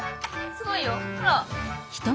すごいよほら！